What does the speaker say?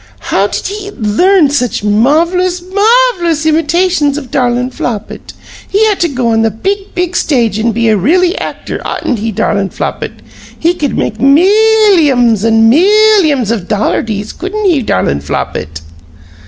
"How did he learn such marv'lous, MARV'LOUS imitations of darlin' Flopit? He ought to go on the big, big stage and be a really actor, oughtn't he, darlin' Flopit? He could make milyums and milyums of dollardies, couldn't he, darlin' Flopit?"